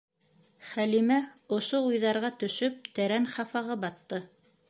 Хәлимә ошо уйҙарға төшөп, тәрән хафаға батты.